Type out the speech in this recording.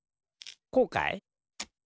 こうかい？